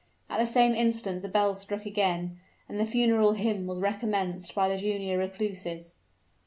At the same instant the bell struck again; and the funeral hymn was recommenced by the junior recluses.